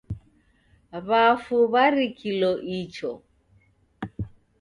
W'afu w'arikilo icho